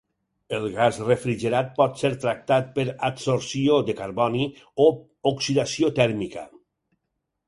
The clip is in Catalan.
El gas refrigerat pot ser tractat per adsorció de carboni, o oxidació tèrmica.